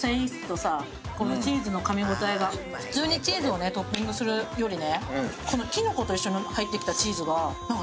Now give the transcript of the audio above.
普通にチーズをトッピングするよりね。